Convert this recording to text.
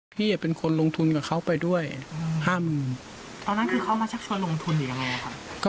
พี่เป็นคนลงทุนกับเขาไปด้วยห้าหมื่นตอนนั้นคือเขามาชักชวนลงทุนอยู่ยังไงอ่ะค่ะ